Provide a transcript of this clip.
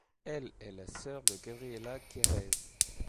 Elle est la sœur de Gabriella Kerez.